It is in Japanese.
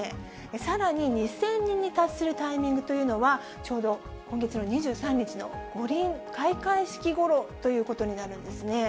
さらに、２０００人に達するタイミングというのは、ちょうど今月の２３日の五輪開会式ごろということになるんですね。